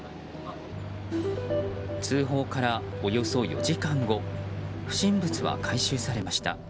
通報からおよそ４時間後不審物は回収されました。